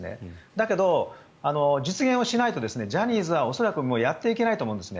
だけど、実現をしないとジャニーズは恐らく、もうやっていけないと思うんです。